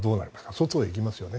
外に行きますよね。